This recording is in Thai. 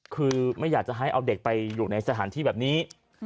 คือไม่อยากจะให้เอาเด็กไปอยู่ในสถานที่แบบนี้